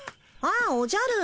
あっおじゃる。